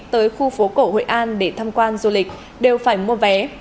tới khu phố cổ hội an để tham quan du lịch đều phải mua vé